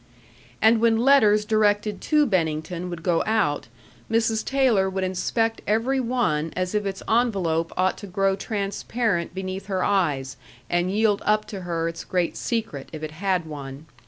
And when letters directed to Bennington would go out, Mrs. Taylor would inspect every one as if its envelope ought to grow transparent beneath her eyes, and yield up to her its great secret, if it had one.